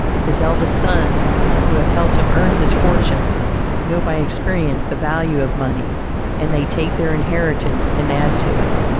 His eldest sons, who have helped him earn his fortune, know by experience the value of money; and they take their inheritance and add to it.